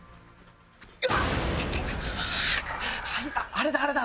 あれだあれだ。